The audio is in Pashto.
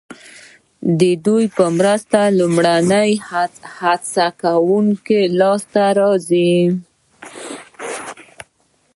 ددې په مرسته لومړني هڅوونکي لاسته راځي.